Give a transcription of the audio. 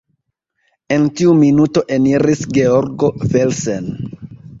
En tiu minuto eniris Georgo Felsen.